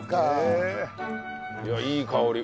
いやいい香り！